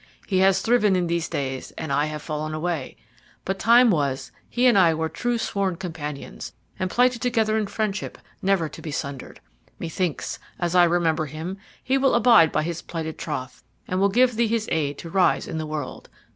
He has thriven in these days and I have fallen away, but time was that he and I were true sworn companions, and plighted together in friendship never to be sundered. Methinks, as I remember him, he will abide by his plighted troth, and will give thee his aid to rise in the world.